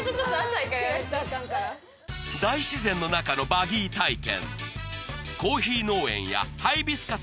大自然の中のバギー体験